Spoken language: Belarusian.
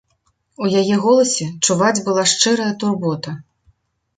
У яе голасе чуваць была шчырая турбота.